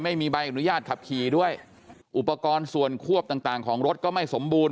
ไม่มีใบอนุญาตขับขี่ด้วยอุปกรณ์ส่วนควบต่างต่างของรถก็ไม่สมบูรณ